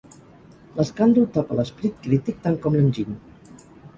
L'escàndol tapa l'esperit crític tant com l'enginy.